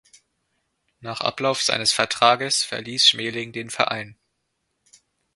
Nach Ablauf seines Vertrages verließ Schmeling den Verein.